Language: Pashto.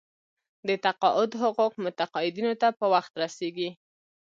د تقاعد حقوق متقاعدینو ته په وخت رسیږي.